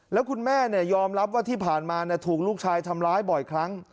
แล้วคุณแม่ยอมรับว่าที่ผ่านมาถูกลูกชายทำร้ายบ่อยครั้ง